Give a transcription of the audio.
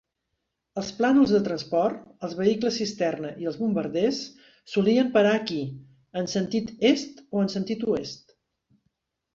Els plànols de transport, els vehicles cisterna i els bombarders solien parar aquí, en sentit est o en sentit oest.